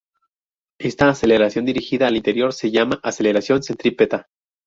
Esta aceleración dirigida al interior se llama aceleración centrípeta.